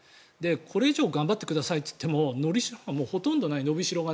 これ以上頑張ってくださいと言ってものびしろがほとんどない。